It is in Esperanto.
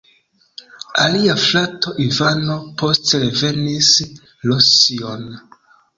Alia frato "Ivano" poste revenis Rusion.